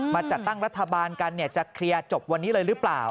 จัดตั้งรัฐบาลกันจะเคลียร์จบวันนี้เลยหรือเปล่า